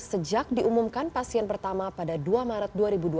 sejak diumumkan pasien pertama pada dua maret dua ribu dua puluh